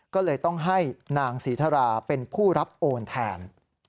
ก็เลยต้องให้นางศรีธราเป็นผู้รับโอนแทน